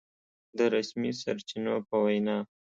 د رسمي سرچينو په وينا